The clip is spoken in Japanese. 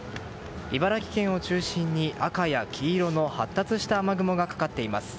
茨城県を中心に赤や黄色の発達した雨雲がかかっています。